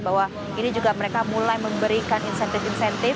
bahwa ini juga mereka mulai memberikan insentif insentif